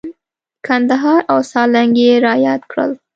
کندهار او سالنګ یې را یاد کړل.